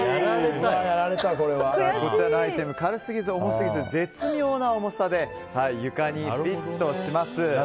こちらのアイテム軽すぎず重すぎず絶妙な重さで床にフィットします。